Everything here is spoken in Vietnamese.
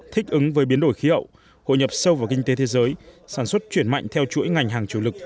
thích ứng với biến đổi khí hậu hội nhập sâu vào kinh tế thế giới sản xuất chuyển mạnh theo chuỗi ngành hàng chủ lực